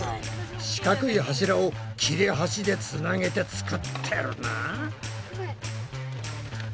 四角い柱を切れ端でつなげて作ってるな。